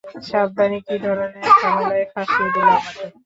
সাবধানে কি ধরনের ঝামেলায় ফাঁসিয়ে দিলে আমাকে?